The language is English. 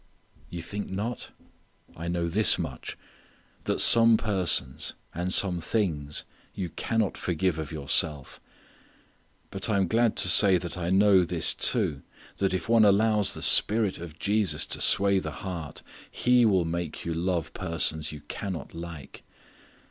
You think not? I know this much: that some persons, and some things you _can_not forgive of yourself. But I am glad to say that I know this too that if one allows the Spirit of Jesus to sway the heart He will make you love persons you _can_not like.